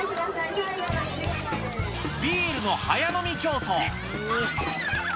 ビールの早飲み競走。